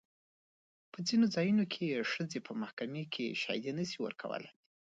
په ځینو ځایونو کې ښځې په محکمې کې شاهدي نه شي ورکولی.